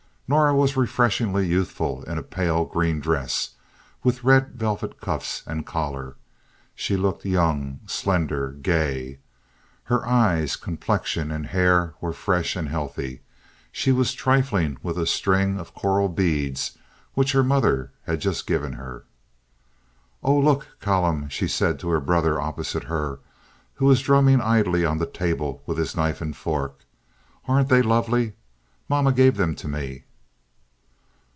Norah was refreshingly youthful in a pale green dress, with red velvet cuffs and collar. She looked young, slender, gay. Her eyes, complexion and hair were fresh and healthy. She was trifling with a string of coral beads which her mother had just given her. "Oh, look, Callum," she said to her brother opposite her, who was drumming idly on the table with his knife and fork. "Aren't they lovely? Mama gave them to me."